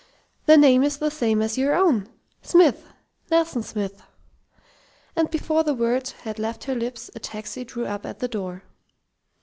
"The name is the same as your own Smith. Nelson Smith." And before the words had left her lips a taxi drew up at the door.